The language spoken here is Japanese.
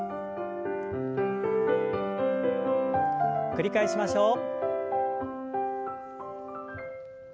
繰り返しましょう。